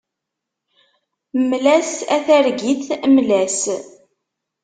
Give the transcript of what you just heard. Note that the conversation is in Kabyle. Mmel-as a targit, mmel-as.